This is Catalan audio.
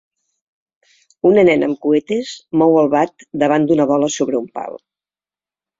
Una nena amb cuetes mou el bat davant d'una bola sobre un pal.